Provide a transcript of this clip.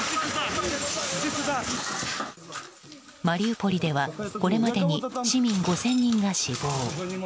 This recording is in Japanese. マリウポリではこれまでに市民５０００人が死亡。